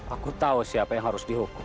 aku tahu siapa yang harus dihukum